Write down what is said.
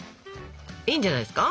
いいんじゃないですか？